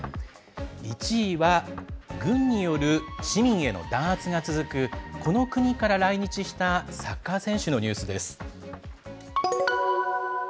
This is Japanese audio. １位は、軍による市民への弾圧が続くこの国から来日したサッカー選手のニュースです。